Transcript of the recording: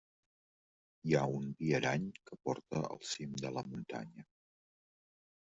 Hi ha un viarany que porta al cim de la muntanya.